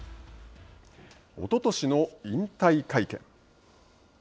おととしの引退会見。